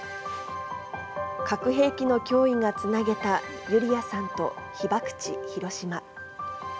核兵器の脅威がつなげたユリヤさんと被爆地